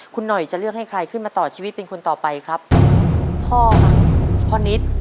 คุณหน่อยจะเลือกให้ใครขึ้นมาต่อชีวิตเป็นคนต่อไปครับพ่อค่ะพ่อนิด